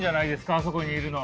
あそこにいるの。